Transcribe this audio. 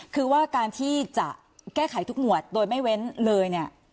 คือกันที่จะแก้ไขทุกมูดโดยไม่เว้นเลย